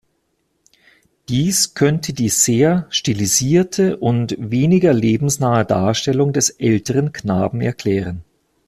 Dies könnte die sehr stilisierte und weniger lebensnahe Darstellung des älteren Knaben erklären.